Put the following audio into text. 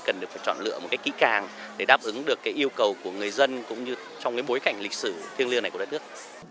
cần được chọn lựa một kỹ càng để đáp ứng được yêu cầu của người dân cũng như trong bối cảnh lịch sử thiêng liêng này của đất nước